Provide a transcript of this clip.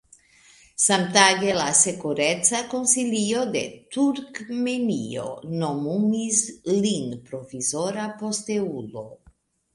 Samtage la sekureca konsilio de Turkmenio nomumis lin provizora posteulo.